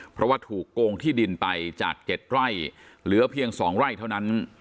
เพราะว่าถูกโกงที่ดินไปจาก๗ไร่เหลือเพียง๒ไร่เท่านั้น